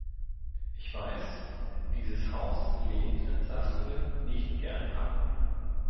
Ich weiß, dieses Haus lehnt Entlastungen nicht gern ab.